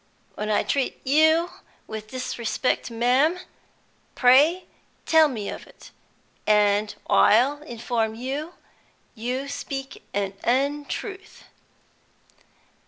When I treat you with disrespect, ma'am, pray tell me of ut, and I'll inform you you speak an untruth!'"